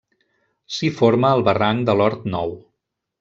S'hi forma el barranc de l'Hort Nou.